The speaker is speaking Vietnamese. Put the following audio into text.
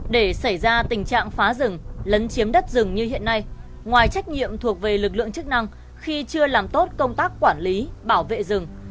để xảy ra tình trạng phá rừng lấn chiếm đất rừng như hiện nay ngoài trách nhiệm thuộc về lực lượng chức năng khi chưa làm tốt công tác quản lý bảo vệ rừng